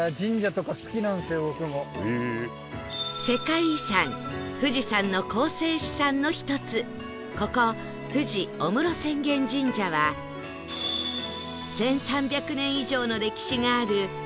世界遺産富士山の構成資産の１つここ冨士御室浅間神社は１３００年以上の歴史がある